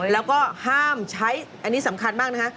แล้วก็ห้ามใช้อันนี้สำคัญมากนะฮะ